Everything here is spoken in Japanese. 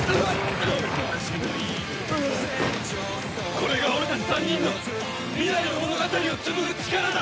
これが俺たち３人の未来の物語を紡ぐ力だ！